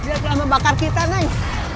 dia telah membakar kita naik